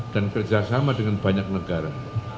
dan kerjasama dengan banyak negara